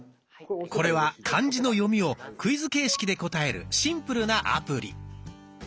これは漢字の読みをクイズ形式で答えるシンプルなアプリ。